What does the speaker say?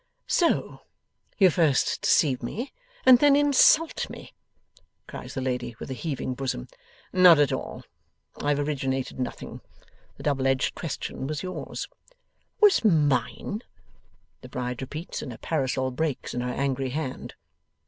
'So you first deceive me and then insult me!' cries the lady, with a heaving bosom. 'Not at all. I have originated nothing. The double edged question was yours.' 'Was mine!' the bride repeats, and her parasol breaks in her angry hand.